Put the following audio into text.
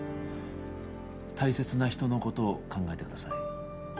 大切な人のことを考えてください